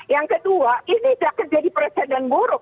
yang kedua ini tidak terjadi perasaan buruk